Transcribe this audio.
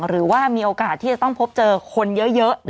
หรือว่ามีโอกาสที่จะต้องพบเจอคนเยอะ